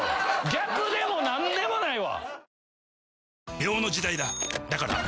逆でも何でもないわ。